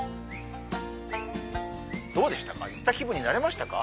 どうでしたか？